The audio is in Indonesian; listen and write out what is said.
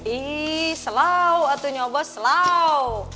ih selau atu nyoba selau